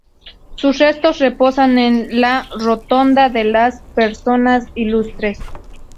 Sus restos reposan en la Rotonda de las Personas Ilustres.